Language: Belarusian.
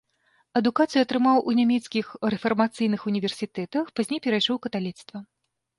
Адукацыю атрымаў у нямецкіх рэфармацыйных універсітэтах, пазней перайшоў у каталіцтва.